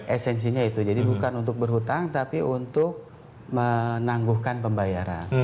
esensinya itu jadi bukan untuk berhutang tapi untuk menangguhkan pembayaran